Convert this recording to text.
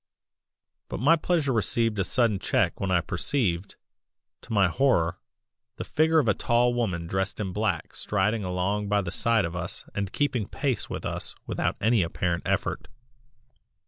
But my pleasure received a sudden check when I perceived, to my horror, the figure of a tall woman dressed in black striding along by the side of us and keeping pace with us without any apparent effort.